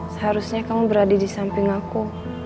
seharusnya kamu berada di samping aku